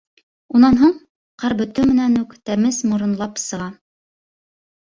— Унан һуң ҡар бөтөү менән үк тәмез моронлап сыға.